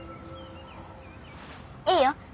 いいよ。